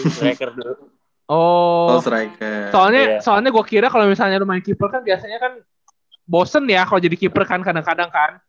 soalnya gue kira kalo misalnya lu main keeper kan biasanya kan bosen ya kalo jadi keeper kan kadang kadang kan